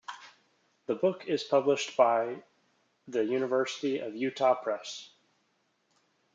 The book is published by the University of Utah Press.